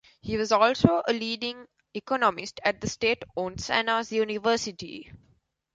He was also a leading economist at the state-owned Sana'a University.